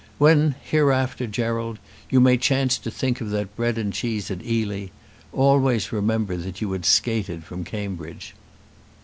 "When, hereafter, Gerald, you may chance to think of that bread and cheese at Ely, always remember that you had skated from Cambridge."